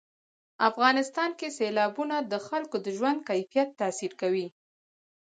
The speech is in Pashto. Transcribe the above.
افغانستان کې سیلابونه د خلکو د ژوند کیفیت تاثیر کوي.